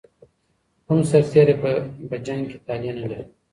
کوم سرتیري په جنګ کي طالع نه لري؟